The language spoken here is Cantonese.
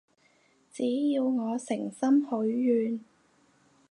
只要我誠心許願